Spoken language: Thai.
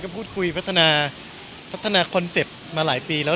ก็มีคุยพัฒนาคอนเซ็ปต์มาหลายปีแล้ว